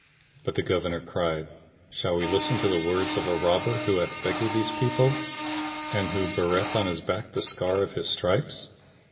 But the Governor cried, "Shall we listen to the words of a robber who hath beggared these people, and who beareth on his back the scar of his stripes?"